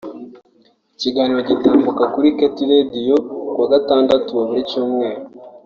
ikiganiro gitambuka kuri Kt Radio kuwa gatandatu wa buri cyumweru